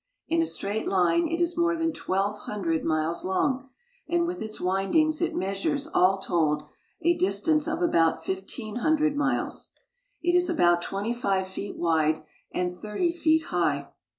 In a straight line it is more than twelve hundred miles long, and with its windings it measures, all told, a distance of about fifteen k I40 THE GREAT WALL OF CHINA hundred miles. It is about twenty five feet wide and thirty feet high.